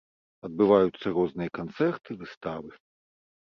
Адбываюцца розныя канцэрты, выставы.